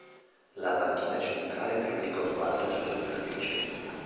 La banchina centrale triplicò quasi la sua superficie.